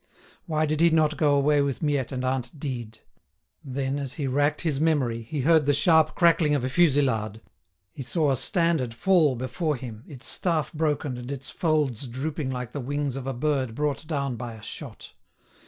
Why did he not go away with Miette and aunt Dide? Then as he racked his memory, he heard the sharp crackling of a fusillade; he saw a standard fall before him, its staff broken and its folds drooping like the wings of a bird brought down by a shot.